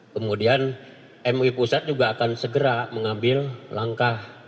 kemudian mui pusat juga akan segera mengambil langkah